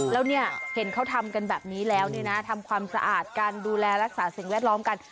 แล้วเนี่ยเห็นเขาทำกันแบบนี้แล้วเนี่ยนะทำความสะอาดการดูแลรักษาสิ่งแวดล้อมกัน